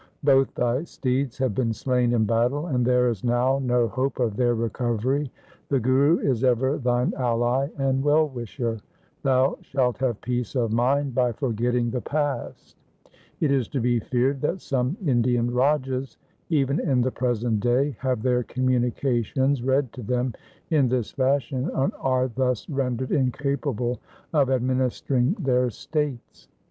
Both thy steeds have been slain in battle, and there is now no hope of their recovery. The Guru is ever thine ally and well wisher. Thou shalt have peace of mind by forgetting the past.' It is to be feared that some Indian Rajas even in the present day have their communications read to them in this fashion, and are thus rendered incapable of administering their states.